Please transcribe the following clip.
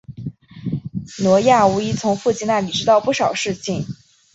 挪亚无疑从父亲那里知道不少事情。